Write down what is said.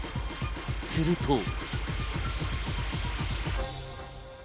すると。